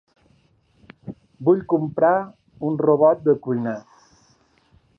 Vull comprar un robot de cuina.